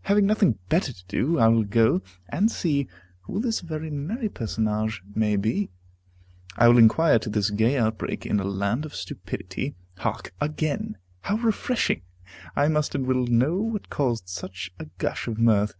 Having nothing better to do, I will go and see who this very merry personage may be. I will inquire into this gay outbreak, in a land of stupidity. Hark, again! how refreshing! I must and will know what caused such a gush of mirth.